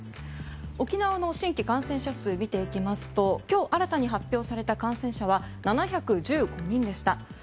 沖縄の新規感染者数見ていきますと今日新たに発表された感染者は７１５人でした。